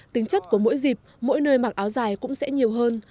tính chất của mỗi dịp mỗi nơi mặc áo dài cũng sẽ nhiều hơn